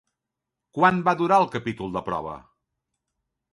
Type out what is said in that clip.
Quant va durar el capítol de prova?